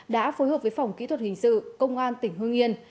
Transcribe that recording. đã phối hợp với phòng kỹ thuật hình sự công an tỉnh hương yên